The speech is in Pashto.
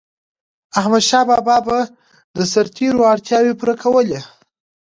احمدشاه بابا به د سرتيرو اړتیاوي پوره کولي.